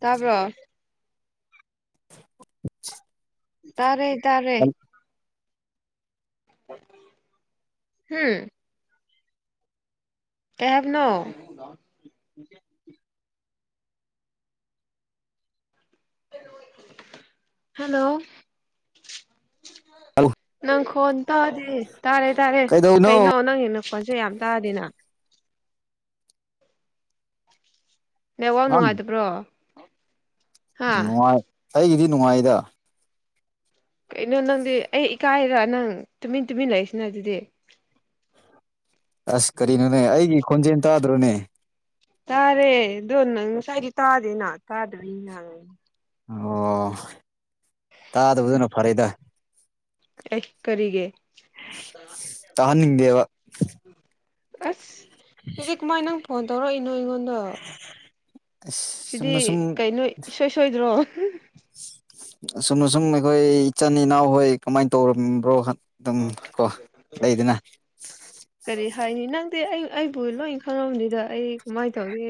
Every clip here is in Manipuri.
ꯇꯄ [inaudible] ꯇꯥꯔꯦ ꯇꯥꯔꯦ ꯎꯝ ꯀꯦꯕꯅꯣ ꯍꯂꯣ ꯍꯜꯂꯣ ꯅꯪ ꯐꯣꯟ ꯇꯥꯗꯤ ꯇꯥꯔꯦ ꯇꯥꯔꯦ ꯀꯩꯗꯧꯅꯣ ꯀꯩꯅꯣ ꯅꯪꯅ ꯐꯣꯟꯁꯦ ꯌꯥꯝ ꯇꯥꯔꯗꯤꯅ ꯅ ꯋꯥ ꯑ ꯅꯨꯡꯉꯥꯏꯇꯕ꯭ꯔꯣ ꯍꯥ ꯅꯨꯡꯉꯥꯏ ꯑꯩꯒꯤꯗꯤ ꯅꯨꯡꯉꯥꯏꯗ ꯀꯩꯅꯣ ꯅꯪꯗꯤ ꯑꯩ ꯏꯀꯥꯏꯔ ꯅꯪ ꯇꯨꯃꯤꯟ ꯇꯨꯃꯤꯟ ꯂꯩꯏꯁꯤꯅ ꯑꯗꯨꯗꯤ ꯑꯁ ꯀꯔꯤꯅꯣꯅꯦ ꯑꯩꯒꯤ ꯈꯣꯟꯖꯦꯜ ꯇꯥꯗ꯭ꯔꯣꯅꯦ ꯇꯥꯔꯦ ꯑꯗꯣ ꯅꯪ ꯉꯁꯥꯏꯗꯤ ꯇꯥꯗꯦꯅ ꯇꯥꯗꯣꯏꯅꯤ ꯅ ꯑꯣ ꯇꯥꯗꯕꯗꯨꯅ ꯐꯔꯦꯗ ꯑꯦ ꯀꯔꯤꯒꯤ ꯇꯥꯍꯅꯤꯡꯗꯦꯕ ꯑꯁ ꯑꯗꯨꯗꯤ ꯀꯃꯥꯏ ꯅꯪ ꯐꯣꯟ ꯇꯧꯔꯛꯏꯅꯣ ꯑꯩꯉꯣꯟꯗ ꯑꯁ ꯁꯤꯗꯤ ꯁꯨꯝꯅ ꯁꯨꯝ ꯀꯩꯅꯣ ꯏꯁꯣꯏ ꯁꯣꯏꯗ꯭ꯔꯣ ꯑꯁꯨꯝ ꯑꯁꯨꯝ ꯑꯩꯈꯣꯏ ꯏꯆꯤꯟ ꯏꯅꯥꯎ ꯍꯣꯏ ꯀꯃꯥꯏꯅ ꯇꯧꯔꯝꯕ꯭ꯔꯣ ꯑꯗꯨꯝ ꯀꯣ ꯂꯩꯗꯅ ꯀꯔꯤ ꯍꯥꯏꯅꯤ ꯅꯪꯗꯤ ꯑꯩ ꯑꯩꯕꯨ ꯂꯣꯏ ꯈꯪꯉꯕꯅꯤꯗ ꯑꯩ ꯀꯃꯥꯏꯅ ꯇꯧꯒꯦ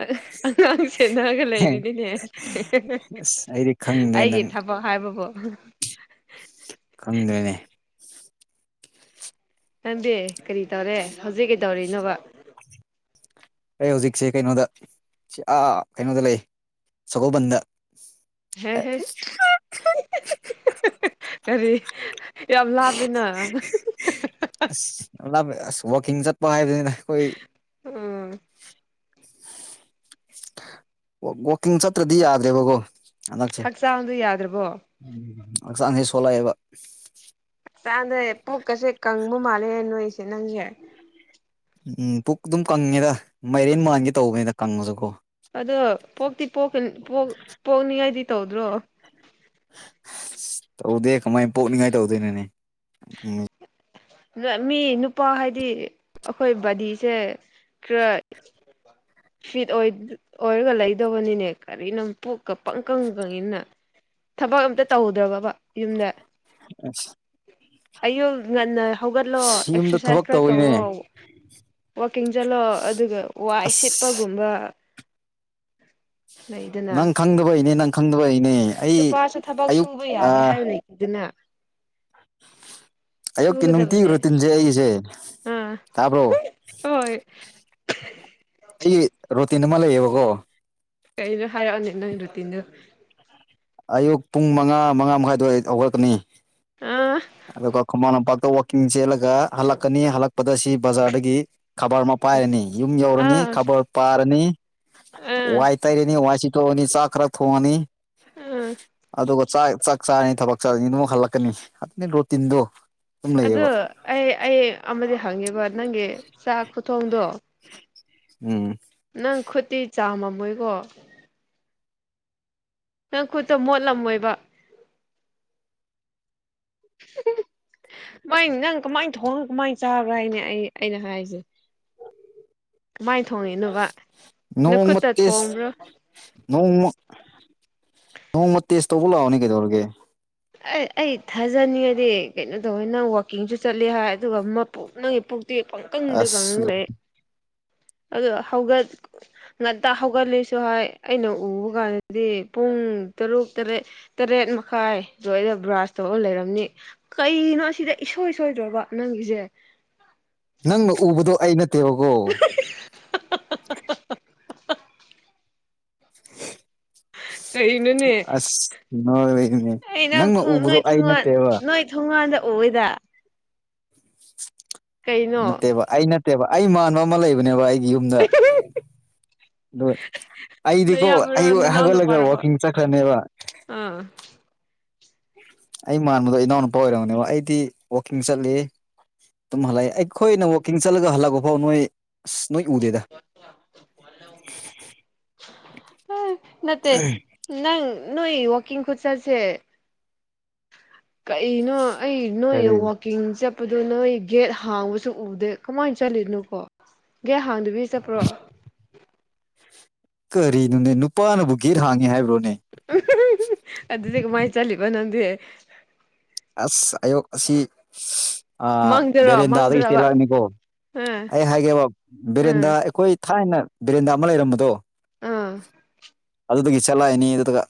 ꯑ ꯆꯅꯒ ꯂꯩꯔꯤꯅꯤꯅꯦ ꯑꯁ ꯑꯩꯗꯤ ꯈꯪꯗ꯭ꯔꯦ ꯑꯩꯒꯤ ꯅꯪ ꯊꯕꯛ ꯍꯥꯏꯕꯕꯨ ꯈꯪꯗ꯭ꯔꯦꯅꯦ ꯅꯪꯗꯦ ꯀꯔꯤ ꯇꯧꯔꯦ ꯍꯧꯖꯤꯛ ꯀꯩꯗꯧꯔꯤꯅꯣꯕ ꯑꯩ ꯍꯧꯖꯤꯛꯁꯦ ꯀꯩꯅꯣꯗ ꯁꯤ ꯑꯥ ꯀꯩꯅꯣꯗ ꯂꯩ ꯁꯒꯣꯜꯕꯟꯗ ꯍꯦ ꯍꯦ ꯀꯔꯤ ꯌꯥꯝ ꯂꯥꯞꯄꯤꯅ ꯑꯣꯞ ꯋꯥꯀꯤꯡꯖꯠ ꯄꯥꯏ ꯎꯝ ꯋꯥꯋꯥꯛꯀꯤꯡ ꯆꯠꯇ꯭ꯔꯗꯤ ꯌꯥꯗ꯭ꯔꯦꯕꯀꯣ ꯍꯟꯗꯛꯁꯦ ꯍꯛꯆꯥꯡꯗꯣ ꯌꯥꯗ꯭ꯔꯕꯣ ꯎꯝ ꯍꯛꯆꯥꯡꯁꯦ ꯁꯣꯜꯂꯛꯑꯦꯕ ꯆꯥꯗꯦ ꯄꯨꯣꯛꯀꯁꯦ ꯀꯪꯕ ꯃꯥꯜꯂꯦ ꯅꯣꯏꯁꯦ ꯅꯪꯁꯦ ꯎꯝ ꯄꯨꯛ ꯑꯗꯨꯝ ꯀꯪꯉꯦꯗ ꯃꯥꯏꯔꯦꯟ ꯃꯥꯟꯒꯦ ꯇꯧꯕꯅꯤꯗ ꯀꯪꯉꯁꯨ ꯀꯣ ꯑꯗꯣ ꯄꯣꯛꯇꯤ ꯄꯣꯛꯅꯤꯉꯥꯏꯗꯤ ꯇꯧꯗ꯭ꯔꯣ ꯇꯧꯗꯦ ꯀꯃꯥꯏ ꯄꯣꯛꯅꯤꯡꯉꯥꯏ ꯇꯧꯗꯣꯏꯅꯣꯅꯦ ꯃꯤ ꯅꯨꯄꯥ ꯍꯥꯏꯗꯤ ꯑꯩꯈꯣꯏ ꯕꯥꯗꯤꯁꯦ ꯀꯦ ꯐꯤꯠ ꯑꯣꯏꯔꯒ ꯂꯩꯗꯕꯅꯤꯅꯦ ꯀꯔꯤꯅꯣ ꯄꯣꯛꯀ ꯄꯪ ꯀꯪ ꯀꯪꯉꯅ ꯊꯕꯛ ꯑꯝꯇ ꯇꯧꯗ꯭ꯔꯕꯕ ꯌꯨꯝꯗ ꯑ ꯑꯌꯨ ꯉꯟꯅ ꯍꯧꯒꯠꯂꯣ ꯌꯨꯝꯗ ꯑꯦꯛꯁꯔꯁꯥꯏꯁ ꯊꯕꯛ ꯈꯔ ꯇꯧꯋꯤꯅꯦ ꯇꯧꯔꯣ ꯋꯥꯋꯀꯤꯡ ꯆꯠꯂꯣ ꯑꯗꯨꯒ ꯋꯥꯏ ꯑꯁ ꯁꯤꯠꯄꯒꯨꯝꯕ ꯂꯩꯗꯅ ꯅꯪ ꯈꯪꯗꯕ ꯏꯅꯦ ꯅꯪ ꯈꯪꯗꯕ ꯏꯅꯦ ꯅꯨꯨꯄꯥꯁꯨ ꯊꯕꯛ ꯁꯨꯕ ꯌꯥꯔꯦ ꯍꯥꯏꯌ ꯂꯩꯗꯨꯅ [unintelligible] ꯑꯌꯨꯛꯀꯤ ꯅꯨꯡꯇꯤꯈꯨꯔꯣ ꯇꯤꯟꯖꯦ ꯑꯩꯁꯦ ꯑꯥ ꯇꯥꯕ꯭ꯔꯣ ꯍꯣꯏ ꯑꯩ ꯔꯣꯇꯤꯟ ꯑꯃ ꯂꯩꯌꯦꯕꯀꯣ ꯀꯩꯅꯩꯅ ꯍꯥꯏꯔꯅꯦꯅꯣ ꯏꯔ ꯇꯗꯨꯣ ꯑꯌꯨꯛ ꯄꯨꯡ ꯃꯉꯥ ꯃꯉꯥ ꯃꯈꯥꯏꯗꯋꯥ ꯍꯧꯒꯠꯂꯛꯀꯅꯤ ꯑꯥ ꯑꯗꯨꯒ ꯈꯨꯃꯟ ꯂꯝꯄꯥꯛꯇ ꯋꯥꯋꯥꯛꯀꯤꯡ ꯆꯦꯜꯂꯒ ꯍꯜꯂꯛꯀꯅꯤ ꯍꯜꯂꯛꯄꯗ ꯁꯤ ꯕꯖꯥꯔꯗꯒꯤ ꯈꯕꯔ ꯑꯃ ꯄꯥꯏꯔꯅꯤ ꯌꯨꯝ ꯌꯧꯔꯅꯤ ꯑꯥ ꯈꯕꯔ ꯄꯥꯔꯅꯤ ꯑꯥ ꯋꯥꯏ ꯇꯩꯔꯅꯤ ꯋꯥꯏꯁꯤ ꯣꯡꯑꯅꯤ ꯆꯥꯛ ꯈꯔ ꯊꯣꯡꯉꯅꯤ ꯑꯥ ꯑꯗꯨꯒ ꯆꯥꯛ ꯆꯥꯛ ꯆꯥꯔꯅꯤ ꯊꯕꯛ ꯆꯥꯔꯅꯤ ꯑꯗꯨꯃꯛ ꯍꯜꯂꯛꯀꯅꯤ ꯑꯗꯨ ꯔꯣꯇꯤꯟꯗꯣ ꯑꯗꯨ ꯑꯩ ꯑꯩ ꯑꯃꯗꯤ ꯍꯪꯉꯤꯕ ꯅꯪꯒꯤ ꯆꯥꯛ ꯈꯨꯊꯣꯡꯗꯣ ꯎꯝ ꯅꯪ ꯈꯨꯠꯇꯤ ꯆꯥꯃꯝꯃꯣꯏꯀꯣ ꯅꯪ ꯈꯨꯠꯇ ꯃꯣꯠꯂꯝꯃꯣꯏꯕ ꯃꯥꯏ ꯅꯪ ꯀꯃꯥꯏꯅ ꯊꯣꯡꯅ ꯀꯃꯥꯏꯅ ꯆꯥꯕ꯭ꯔ ꯍꯥꯏꯅꯦ ꯑꯩ ꯑꯩꯅ ꯍꯥꯏꯁꯦ ꯀꯃꯥꯏꯅ ꯑ ꯊꯣꯡꯉꯤꯅꯣꯕ ꯅꯈꯨꯠꯇ ꯅꯣꯡꯃꯇꯁ ꯊꯣꯡꯕ꯭ꯔꯣ ꯅꯣꯡꯃ ꯅꯣꯡꯃ ꯇꯦꯁ ꯇꯧꯕ ꯂꯥꯛꯑꯣꯅꯦ ꯀꯩꯗꯧꯔꯒꯦ ꯑꯩ ꯑꯩ ꯊꯥꯖꯅꯤꯡꯉꯗꯤ ꯀꯩꯅꯣ ꯇꯧꯋꯦ ꯅꯪ ꯋꯥꯛꯀꯤꯡꯁꯨ ꯆꯠꯂꯦ ꯍꯥꯏ ꯑꯗꯨꯒ ꯃꯣꯛ ꯅꯪꯒꯤ ꯄꯀꯗꯤ ꯑꯁ ꯀꯦ ꯑ ꯍꯧꯠ ꯉꯇ ꯍꯧꯒꯠꯂꯤꯁꯨ ꯍꯥꯏ ꯑꯩꯅ ꯎꯕ ꯀꯥꯟꯗꯗꯤ ꯄꯨꯡ ꯄꯨꯡ ꯇꯔꯨꯛ ꯇꯔꯦꯠ ꯇꯔꯦꯠ ꯃꯈꯥꯏ ꯑꯗꯣ ꯑꯩꯗ ꯕ꯭ꯔꯥꯁ ꯇꯧꯔ ꯂꯩꯔꯝꯅꯤ ꯀꯩꯅꯣ ꯁꯤꯗ ꯏꯁꯣꯏ ꯁꯣꯏꯗ꯭ꯔꯣꯕ ꯅꯪꯒꯤꯁꯦ ꯅꯪꯅ ꯎꯕꯗꯣ ꯑꯩ ꯅꯠꯇꯦꯕꯀꯣ ꯀꯩꯅꯣꯅꯦ ꯍ ꯑꯁ ꯅꯅꯦ ꯑꯩ ꯅꯪ ꯅꯪꯅ ꯎꯕꯗꯣ ꯑꯩ ꯅꯠꯇꯦꯕ ꯑꯣꯣꯏꯗ ꯅꯠꯇꯦꯕ ꯑꯩ ꯅꯠꯇꯦꯕ ꯑꯩ ꯃꯥꯟꯕ ꯑꯃ ꯂꯩꯕꯅꯦꯕ ꯑꯩꯒꯤ ꯌꯨꯝꯗ ꯑ ꯑꯩꯗꯤꯀꯣ ꯑꯩ ꯅꯌꯥꯝꯕꯔꯣ ꯅꯅꯥꯎ ꯍꯧꯒꯠꯂꯒ ꯋꯥꯋꯥꯛꯀꯤꯡ ꯆꯠꯈ꯭ꯔꯅꯦꯕ ꯑ ꯑꯩ ꯃꯥꯟꯕꯗꯣ ꯏꯅꯥꯎꯅꯨꯄꯥ ꯑꯣꯏꯔꯝꯅꯦꯕ ꯑꯩꯗꯤ ꯋꯥꯛꯀꯤꯡ ꯆꯠꯂꯤ ꯑꯗꯨꯝ ꯍꯜꯂꯛꯑꯦ ꯑꯩꯈꯣꯏꯅ ꯋꯥꯛꯀꯤꯡ ꯆꯠꯂꯒ ꯍꯜꯂꯛꯄ ꯐꯥꯎ ꯅꯣꯏ ꯑꯁ ꯅꯣꯏ ꯎꯗꯦꯗ [unintelligible] ꯅꯠꯇ ꯅꯪ ꯅ ꯋꯥꯀꯤꯡ ꯈꯨꯣꯠꯁꯁꯦ ꯀꯩꯅꯣ ꯑꯩ ꯅꯣꯏ ꯀꯔꯤ ꯋꯥꯛꯀꯤꯡꯁꯦ ꯑꯗꯨ ꯅꯣꯏ ꯒꯦꯠ ꯍꯥꯡꯕꯁꯨ ꯎꯗꯦ ꯀꯃꯥꯏꯅ ꯆꯠꯂꯤꯅꯣꯀꯣ ꯒꯦꯠ ꯍꯥꯡꯗ ꯆ ꯄꯨ꯭ꯔꯣ ꯀꯔꯤꯅꯣꯅꯦ ꯅꯨꯄꯥꯅꯕꯨ ꯘꯦꯠ ꯍꯥꯡꯉꯤ ꯍꯥꯏꯕ꯭ꯔꯣꯅꯦ ꯑꯗꯨꯗꯤ ꯀꯃꯥꯏꯅ ꯆꯠꯂꯤꯕ ꯅꯪꯗꯤꯦ ꯑꯁ ꯑꯌꯣ ꯑꯁꯤ ꯃꯪꯗꯔꯣ ꯕꯦꯔꯦꯟꯗꯥꯗꯒꯤ ꯃꯪꯗ꯭ꯔꯕ ꯆꯦꯜꯂꯛꯑꯅꯤꯀꯣ ꯑꯥ ꯑꯩ ꯍꯥꯏꯒꯦꯕ ꯕꯦꯔꯦꯟꯗꯥ ꯑꯥ ꯑꯩꯈꯣꯏ ꯊꯥꯏꯅ ꯕꯦꯔꯦꯟꯗꯥ ꯑꯃ ꯂꯩꯔꯝꯕꯗꯣ ꯑꯥ ꯑꯗꯨꯗꯒꯤ ꯆꯠꯂꯛꯏꯅꯤ ꯑꯗꯨꯒ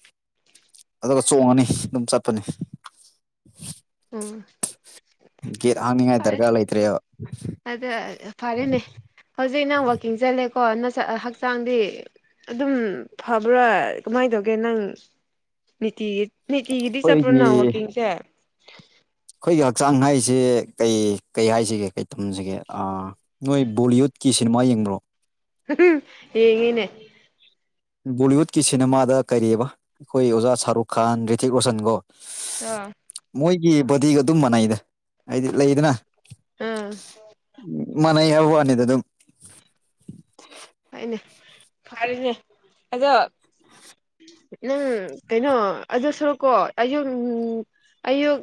ꯑꯗꯨꯒ ꯆꯣꯡꯉꯅꯤ ꯑꯗꯨꯝ ꯆꯠꯄꯅꯤ ꯎꯝ ꯒꯦꯠ ꯍꯥꯡꯅꯤꯡꯉꯥꯏ ꯐꯔꯦ ꯗꯔꯀꯥꯔ ꯂꯩꯇ꯭ꯔꯦꯕ ꯑꯗ ꯐꯔꯦꯅꯦ ꯍꯧꯖꯤꯛ ꯅꯪ ꯋꯥꯛꯀꯤꯡ ꯆꯠꯂꯦ ꯀꯣ ꯅ ꯍꯛꯆꯥꯡꯗꯤ ꯑꯗꯨꯝ ꯐꯕ꯭ꯔꯥ ꯀꯃꯥꯏꯅ ꯇꯧꯒꯦ ꯅꯪ ꯅꯤꯇꯤ ꯅꯅꯤꯇꯤꯒꯤꯗꯤ ꯑꯩꯈꯣꯏꯒꯤ ꯆꯄ꯭ꯔꯣꯅ ꯋꯥꯀꯤꯡꯁꯦ ꯑꯩꯣꯏꯒꯤ ꯍꯛꯆꯥꯡ ꯍꯥꯏꯁꯤꯦ ꯀꯩ ꯀꯩ ꯍꯥꯏꯁꯤꯒꯦ ꯀꯩ ꯊꯝꯁꯤꯒꯦ ꯅꯣꯏ ꯕꯣꯂꯤꯋꯨꯗꯀꯤ ꯁꯤꯅꯦꯃꯥ ꯃꯥ ꯌꯦꯡꯕꯣ ꯌꯦꯉꯦꯅꯦ ꯕꯣꯂꯤꯋꯨꯗꯀꯤ ꯁꯤꯅꯦꯃꯥꯗ ꯀꯩꯕ ꯑꯩꯈꯣꯏ ꯑꯣꯖꯥ ꯁꯔꯨꯛ ꯈꯥꯟ ꯔꯤꯇꯤꯛ ꯔꯣꯁꯟꯒꯣ ꯑꯥ ꯃꯣꯏꯒꯤ ꯕꯣꯗꯤꯒ ꯑꯗꯨꯝ ꯃꯅꯥꯏꯗ ꯍꯥꯏꯗꯤ ꯂꯩꯗꯅ ꯑꯥ ꯃꯥꯟꯅꯩ ꯍꯥꯏꯕ ꯋꯥꯅꯤꯗ ꯑꯗꯨꯝ ꯍꯥꯏꯅꯦ ꯐꯔꯦꯅꯦ ꯑꯗꯣ ꯅꯪ ꯀꯩꯅꯣ ꯑꯗꯨ ꯁꯔꯀꯣ ꯑꯌꯨꯛ ꯑꯌꯨꯛ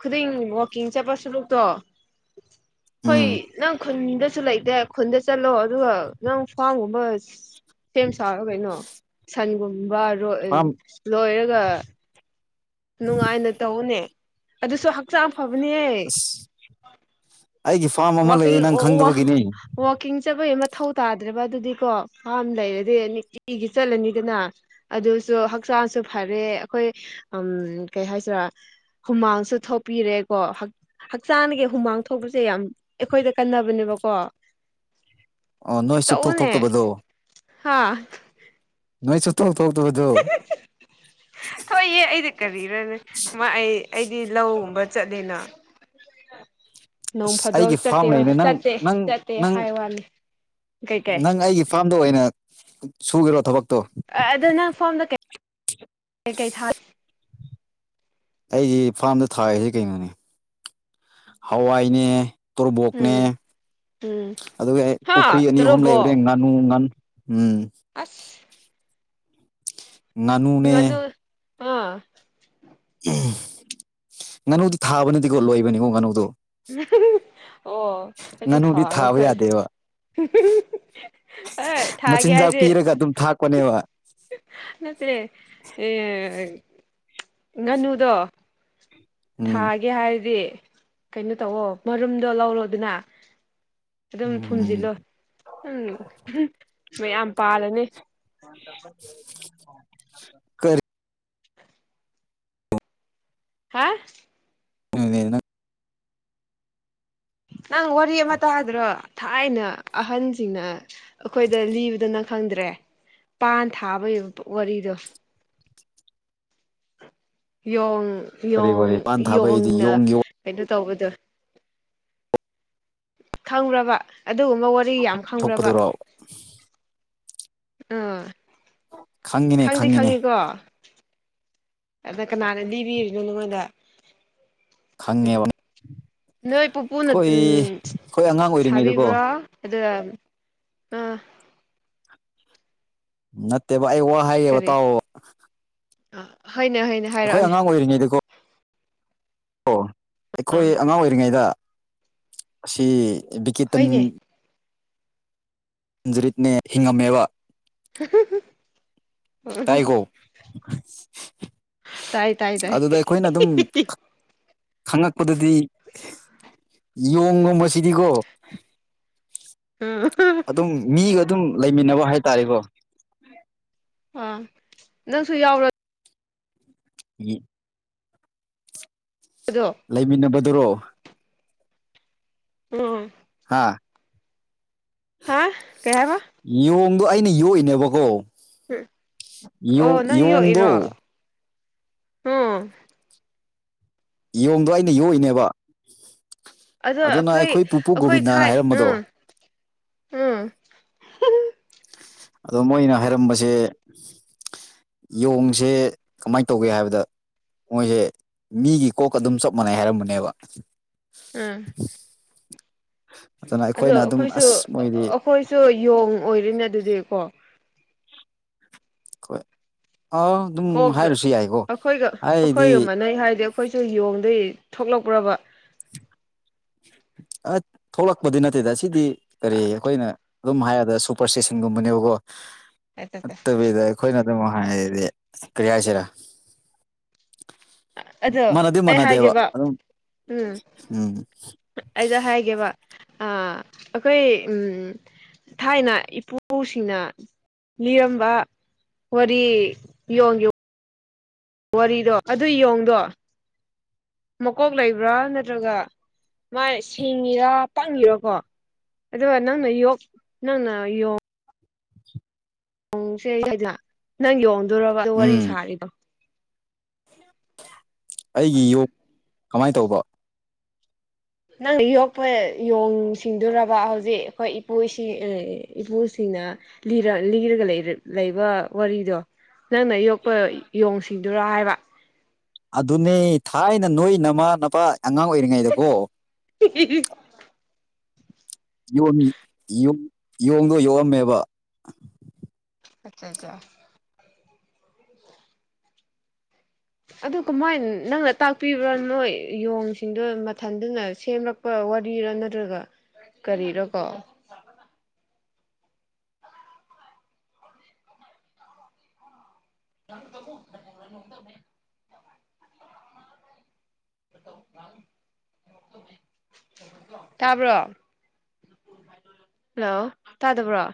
ꯈꯨꯗꯤꯡ ꯋꯥꯋꯀꯤꯡ ꯆꯠꯄ ꯁꯔꯨꯛꯇꯣ ꯍꯣꯏ ꯎꯝ ꯅꯪ ꯈꯨꯟꯗꯁꯨ ꯂꯩꯇꯦ ꯈꯨꯟꯗ ꯆꯠꯂꯣ ꯑꯗꯨꯒ ꯅꯪ ꯐꯥꯝꯒꯨꯝꯕ ꯁꯦꯝ ꯁꯥꯔꯒ ꯀꯩꯅꯣ ꯁꯟꯒꯨꯝꯕ ꯐꯥꯝ ꯂꯣꯏꯔꯒ ꯅꯨꯡꯉꯥꯏꯅ ꯇꯧꯅꯦ ꯑꯗꯨꯁꯨ ꯍꯛꯆꯥꯡ ꯐꯕꯅꯦ ꯑꯁ ꯑꯩꯒꯤ ꯐꯥꯔꯝ ꯑꯃ ꯋꯥꯀꯤ ꯂꯩꯌꯦ ꯅꯪ ꯋꯥ ꯈꯪꯗꯕꯒꯤꯅꯤ ꯋꯥꯀꯤ ꯆꯠꯄꯩ ꯃꯊꯧ ꯇꯥꯗ꯭ꯔꯕ ꯑꯗꯨꯗꯤꯀꯣ ꯐꯥꯝ ꯂꯩꯔꯗꯤ ꯅꯨꯡꯇꯤꯒꯤ ꯆꯠꯂꯅꯤꯗꯅ ꯑꯗꯨ ꯁ ꯍꯛꯆꯥꯡꯁꯨ ꯐꯔꯦ ꯑꯩꯈꯣꯏ ꯎꯝ ꯀꯩ ꯍꯥꯏꯁꯤꯔꯥ ꯍꯨꯃꯥꯡꯁꯨ ꯊꯣꯛꯄꯤꯔꯦꯀꯣ ꯍꯛꯆꯥꯡꯒꯤ ꯍꯨꯃꯥꯡ ꯊꯣꯛꯄꯁꯦ ꯌꯥꯝ ꯑꯩꯈꯣꯏꯗ ꯀꯟꯅꯕꯅꯦꯕꯀꯣ ꯑꯣ ꯅꯣꯏ ꯆꯨꯞꯊꯣꯛ ꯊꯣꯛꯇꯕꯗꯣ ꯍꯥꯥ ꯅꯣꯏ ꯆꯇꯣ ꯇ ꯇꯗꯣ ꯊꯣꯏꯌꯦ ꯑꯩꯗꯤ ꯀꯔꯤꯅꯅꯤ ꯃꯥ ꯑꯩ ꯑꯩꯗꯤ ꯂꯧꯒꯨꯝꯕ ꯆꯗꯅ ꯅꯣꯡ ꯑꯁ ꯐꯥꯗꯣꯛ ꯑꯩꯒꯤ ꯆꯠꯇꯦ ꯐꯥꯔꯝ ꯂꯩꯅꯦ ꯅꯪ ꯆꯠꯇꯦ ꯅꯪ ꯆꯠꯇꯦ ꯅꯪ ꯍꯥꯏ ꯋꯥꯅꯤ ꯀꯩꯀꯩ ꯅꯪ ꯑꯩꯒꯤ ꯐꯥꯔꯝꯗ ꯑꯣꯏꯅ ꯁꯨꯔꯣ ꯊꯕꯛ ꯑꯗꯨꯗ ꯅꯪ ꯐꯥꯝꯗꯩ ꯀꯩꯀꯩ ꯊꯥ ꯑꯩꯒꯤ ꯐꯥꯔꯝꯗ ꯊꯥꯔꯤꯁꯤ ꯀꯩꯅꯣꯅꯦ ꯍꯋꯥꯏꯅꯦ ꯇꯣꯔꯕꯣꯛꯅꯦ ꯎꯝ ꯎꯝ ꯑꯗꯨꯒ ꯑꯩ ꯄꯨꯈ꯭ꯔꯤ ꯍꯥ ꯑꯅꯤ ꯑꯍꯨꯝ ꯂꯩꯕꯅꯦ ꯇꯔꯨꯕꯣ ꯉꯥꯅꯨ ꯉꯥꯟ ꯎꯝ ꯑꯁ ꯉꯅꯨꯅꯦ ꯉꯥꯅꯨ ꯑꯥ ꯉꯥꯅꯨꯗꯤ ꯊꯥꯕꯅꯗꯤꯀꯣ ꯂꯣꯏꯕꯅꯤꯀꯣ ꯉꯥꯅꯨꯗꯣ ꯑꯣ ꯑꯩꯗꯤ ꯉꯥꯅꯨꯗꯤ ꯊꯥꯕ ꯊꯥꯉꯈ ꯌꯥꯗꯦꯕ ꯃꯆꯤꯟꯖꯥꯛ ꯄꯤꯔꯒ ꯑꯗꯨꯝ ꯊꯥꯛꯄꯅꯦꯕ ꯃꯦ ꯑ ꯉꯅꯨꯗꯣ ꯎꯝ ꯊꯥꯒꯦ ꯍꯥꯏꯔꯗꯤ ꯀꯩꯅꯣ ꯇꯧꯑꯣꯣ ꯃꯔꯨꯝꯗꯣ ꯂꯧꯔꯣ ꯑꯗꯨꯅ ꯑꯗꯨꯝ ꯎꯝ ꯐꯨꯝꯖꯤꯜꯂꯣ ꯎꯝ ꯃꯌꯥꯝ ꯄꯥꯜꯂꯅꯤ [inaudible] ꯍꯥ [unintelligible] ꯅꯪ ꯋꯥꯔꯤ ꯑꯃ ꯇꯥꯗ꯭ꯔꯣ ꯊꯥꯏꯅ ꯑꯍꯟꯁꯤꯡꯅ ꯑꯩꯈꯣꯏꯗ ꯂꯤꯕꯗꯅ ꯈꯪꯗ꯭ꯔꯦ ꯄꯥꯟ ꯊꯥꯕꯕ ꯋꯥꯔꯤꯗꯣ ꯌꯣꯡ ꯀꯔꯤ ꯌꯣꯡ ꯋꯥꯔꯤ ꯄꯥꯟ ꯊꯥꯕꯩꯗꯤ ꯌꯣꯡꯅ ꯌꯣꯡ ꯌꯣꯡ ꯀꯩꯅꯣ ꯇꯧꯕꯗꯣ ꯈꯪꯕ ꯑꯗꯨꯒꯨꯝꯕ ꯋꯥꯔꯤ ꯌꯥꯝ ꯈꯪꯕ ꯑ ꯊꯣꯛꯄꯗꯨꯔꯣ ꯈꯪꯉꯤꯅꯦ ꯈꯪꯗꯤ ꯈꯪꯉꯤꯅꯦ ꯈꯪꯉꯤꯀꯣ ꯑꯗꯨꯗ ꯀꯅꯥꯅ ꯂꯤꯕꯤꯔꯤꯅꯣ ꯅꯉꯣꯟꯗ ꯈꯪꯉꯦ ꯋꯥ ꯅꯣꯏ ꯄꯨꯄꯨꯅ ꯑꯉꯥꯡ ꯑꯣꯏꯔꯤꯉꯩꯗꯀꯣ ꯁꯥꯕꯤꯕ꯭ꯔꯥ ꯑꯗ ꯑ ꯅꯠꯇꯦꯕ ꯑꯩ ꯋꯥ ꯍꯥꯏꯌꯦꯕ ꯇꯑꯣ ꯑ ꯍꯥꯏꯅꯦ ꯍꯥꯏꯅꯦ ꯍꯥꯏꯔꯛꯑꯅꯤ ꯑꯣ ꯑꯩꯈꯣꯏ ꯑꯉꯥꯡ ꯑꯣꯏꯔꯤꯉꯩꯗ ꯑꯁꯤ ꯕꯤꯀꯦꯇꯟ ꯍꯣꯏꯅꯦ ꯖꯔꯤꯠꯅꯦ ꯍꯤꯉꯃꯕ ꯑ ꯇꯥꯏꯀꯣ ꯇꯥꯏ ꯇꯥꯏ ꯑꯗꯨꯗ ꯑꯩꯈꯣꯏꯅ ꯑꯗꯨꯝ ꯈꯪꯉꯛꯄꯗꯗꯤ ꯌꯣꯡꯒꯨꯝꯕꯁꯤꯗꯤꯀꯣ ꯑꯗꯨꯝ ꯃꯤꯒ ꯑꯗꯨꯝ ꯂꯩꯃꯤꯟꯅꯕ ꯍꯥꯏꯇꯥꯔꯦꯀꯣ ꯑꯥ ꯅꯪꯁꯨ ꯌꯥꯎꯔ ꯎꯝ ꯑꯗꯣ ꯂꯩꯃꯤꯟꯅꯕꯗꯨꯔꯣ ꯑꯣ ꯍꯥꯥ ꯍꯥꯥ ꯀꯌꯥꯕ ꯑꯗ ꯑꯩꯅ ꯌꯣꯛꯏꯅꯦꯕꯀꯣ ꯌꯦꯣꯡꯗꯣ ꯑꯝ ꯌꯦꯣꯡꯗꯣ ꯑꯩꯅ ꯌꯣꯛꯏꯅꯦꯕ ꯑꯗꯣ ꯑꯗꯨꯅ ꯑꯩꯈꯣꯏ ꯄꯨꯄꯨ ꯑꯩꯈꯣꯏ ꯒꯣꯕꯤꯟꯗꯅ ꯊꯥꯏ ꯎꯝ ꯍꯥꯏꯔꯝꯕꯗꯣ ꯎꯝ ꯑꯗꯣ ꯃꯣꯏꯅ ꯍꯥꯏꯔꯝꯕꯁꯦ ꯌꯣꯡꯁꯦ ꯀꯃꯥꯏꯅ ꯇꯧꯒꯦ ꯍꯥꯏꯕꯗ ꯃꯣꯏꯁꯦ ꯃꯤꯒꯤ ꯀꯣꯛꯀ ꯑꯗꯨꯝ ꯆꯞ ꯃꯥꯟꯅꯩ ꯍꯥꯏꯔꯝꯕꯅꯦꯕ ꯑꯥ ꯑꯗꯨꯅ ꯑꯣ ꯑꯩꯈꯣꯏꯅ ꯑꯗꯨꯝ ꯑꯩꯈꯣꯏꯁꯨ ꯑꯁ ꯃꯣꯏꯗꯤ ꯑꯩꯈꯣꯏꯁꯨ ꯌꯣꯡ ꯑꯣꯏꯔꯤꯅꯦ ꯑꯗꯨꯗꯤꯀꯣ ꯍꯣꯏ ꯑꯥ ꯑꯗꯨꯝ ꯀꯣꯛꯒ ꯍꯥꯏꯔꯁꯨ ꯌꯥꯏꯀꯣ ꯑꯩꯈꯣꯏꯒ ꯍꯥꯏꯗꯤ ꯑꯩꯈꯣꯏꯒ ꯃꯥꯟꯅꯩ ꯍꯥꯏꯔꯗꯤ ꯑꯩꯈꯣꯏꯁꯨ ꯌꯣꯡꯗꯣꯏ ꯊꯣꯛꯂꯛꯄ꯭ꯔꯕ [inaudible] ꯑ ꯊꯣꯛꯂꯛꯄꯗꯤ ꯅꯠꯇꯦꯗ ꯑꯁꯤꯗꯤ ꯀꯔꯤ ꯑꯩꯈꯣꯏꯅ ꯑꯗꯨꯝ ꯍꯥꯏꯔꯗ ꯁꯨꯄꯔ ꯁꯇꯦꯁꯟꯒꯨꯝꯕꯅꯦꯕꯀꯣ ꯑꯠꯇꯗꯥꯣꯏ ꯅ ꯑ ꯃꯗꯤ ꯀ꯭ꯔꯤꯌꯥꯁꯤꯂ ꯑꯗꯣ ꯃꯅꯗꯤ ꯑꯩ ꯃꯅꯗꯕ ꯍꯥꯏꯒꯦꯕ ꯑꯗꯨꯝ ꯎꯝ ꯎꯝ ꯑꯩꯗ ꯍꯥꯏꯒꯦꯕ ꯑ ꯑꯩꯈꯣꯏ ꯎꯝ ꯊꯥꯏꯅ ꯏꯄꯨꯁꯤꯡꯅ ꯂꯤꯔꯝꯕ ꯋꯥꯔꯤ ꯌꯣ ꯌꯣ ꯋꯥꯔꯤꯗꯣ ꯑꯗꯨ ꯌꯦꯣꯡꯗꯣ ꯃꯀꯣꯛ ꯂꯩꯕ꯭ꯔꯥ ꯅꯠꯇ꯭ꯔꯒ ꯃꯥ ꯦꯡꯉꯤꯔꯥ ꯄꯪꯉꯔꯀꯣ ꯑꯗꯨꯦꯅꯥꯅ ꯌꯣꯅꯥꯅ ꯌꯣ ꯅꯁꯦ ꯍꯥꯏꯗ ꯅꯪ ꯌꯣꯡꯗꯔꯕ ꯑꯗꯨ ꯋꯥꯔꯤ ꯎꯝ ꯁꯥꯔꯤꯕ ꯑꯩꯒꯤ ꯌꯣꯒ ꯀꯃꯥꯏ ꯇꯧꯕ ꯅꯪꯅ ꯌꯣꯛꯄ ꯌꯣꯡ ꯁꯤꯡꯗꯨꯔꯕ ꯍꯧꯖꯤꯛ ꯑꯩꯈꯣꯏ ꯏꯄꯨꯁꯤꯡ ꯏꯄꯨꯁꯤꯡ ꯂꯤꯔꯒ ꯂꯩꯕ ꯋꯥꯔꯤꯗꯣ ꯅꯪꯅ ꯌꯣꯛꯄ ꯌꯣꯡꯁꯤꯡꯗꯨꯔ ꯍꯥꯏꯕ ꯑꯗꯨꯅꯦ ꯊꯥꯏꯅ ꯅꯣꯏ ꯅꯃꯥ ꯅꯄꯥ ꯑꯉꯥꯡ ꯑꯣꯏꯔꯤꯉꯩꯗꯀꯣ ꯌ ꯌꯣꯡꯗꯣ ꯌꯣꯛꯑꯝꯃꯦꯕ ꯑꯆꯥ ꯑꯆꯥ ꯑꯗꯨ ꯀꯃꯥꯏꯅ ꯅꯪꯅ ꯇꯥꯛꯄꯤꯕ꯭ꯔꯥꯅꯣ ꯌꯦꯣꯡꯁꯤꯡꯗꯣ ꯃꯊꯟꯗꯨꯅ ꯁꯦꯝꯂꯛꯄ ꯋꯥꯔꯤꯔ ꯅꯠꯇ꯭ꯔꯒ ꯀꯔꯤꯔ ꯀꯣ ꯇ ꯇꯥꯕ꯭ꯔꯣ ꯍꯜꯂꯣ ꯇꯥꯗ ꯄꯨ꯭ꯔꯣ